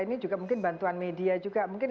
ini juga mungkin bantuan media juga mungkin